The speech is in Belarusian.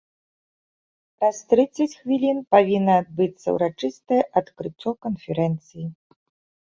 Праз трыццаць хвілін павінна адбыцца ўрачыстае адкрыццё канферэнцыі.